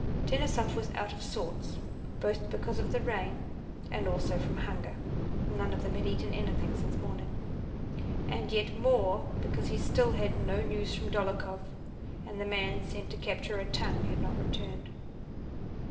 Denísov was out of sorts both because of the rain and also from hunger (none of them had eaten anything since morning), and yet more because he still had no news from Dólokhov and the man sent to capture a "tongue" had not returned.